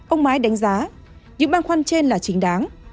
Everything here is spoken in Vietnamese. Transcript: ông mãi đánh giá những băng khoăn trên là chính đáng